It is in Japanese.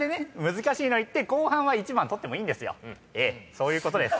そういうことです。